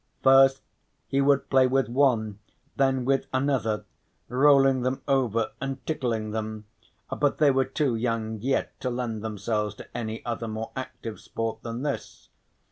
First he would play with one, then with another, rolling them over and tickling them, but they were too young yet to lend themselves to any other more active sport than this.